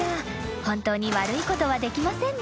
本当に悪いことはできませんね］